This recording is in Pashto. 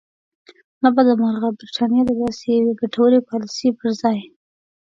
له بده مرغه برټانیې د داسې یوې ګټورې پالیسۍ پر ځای.